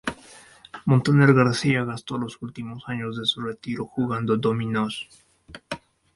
Montaner García gastó los últimos años de su retiro jugando dominos.